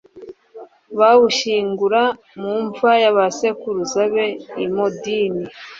bawushyingura mu mva y'abasekuruza be i modini